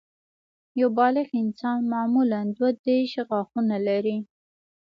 یو بالغ انسان معمولاً دوه دیرش غاښونه لري